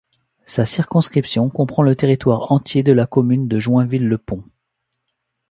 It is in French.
Sa circonscription comprend le territoire entier de la commune de Joinville-le-Pont.